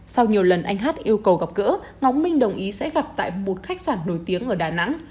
sau nhiều lần anh hát yêu cầu gặp gỡ ngọc minh đồng ý sẽ gặp tại một khách sạn nổi tiếng ở đà nẵng